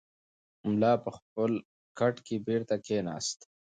ملا په خپل کټ کې بېرته کښېناست.